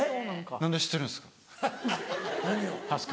何で知ってるんですか？